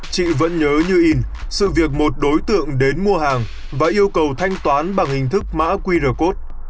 chị vẫn nhớ như in sự việc một đối tượng đến mua hàng và yêu cầu thanh toán bằng hình thức mã qr code